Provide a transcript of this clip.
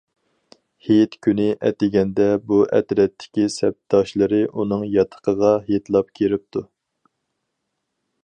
ھېيت كۈنى ئەتىگەندە بۇ ئەترەتتىكى سەپداشلىرى ئۇنىڭ ياتىقىغا ھېيتلاپ كىرىپتۇ.